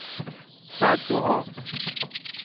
بد دعا